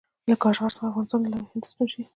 له کاشغر څخه د افغانستان له لارې هند ته ستون شي.